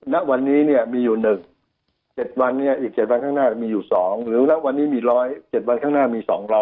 ณวันนี้เนี่ยมีอยู่๑๗วันนี้อีก๗วันข้างหน้ามีอยู่๒หรือแล้ววันนี้มี๑๐๗วันข้างหน้ามี๒๐๐